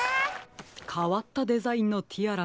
かわったデザインのティアラですね。